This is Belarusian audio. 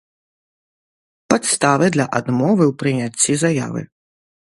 Падставы для адмовы ў прыняццi заявы